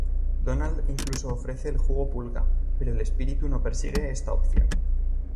Donald incluso ofrece el juego Pulga, pero el Espíritu no persigue esta opción.